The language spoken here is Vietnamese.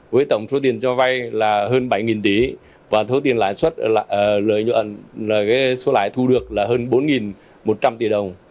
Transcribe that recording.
với tổng số tiền cho vay là hơn bảy tỷ và số lãi thu được là hơn bốn một trăm linh tỷ đồng